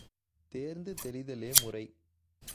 தேர்ந்து தெளிதலே முறை!